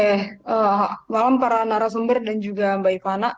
selamat malam para narasumber dan juga mbak ivana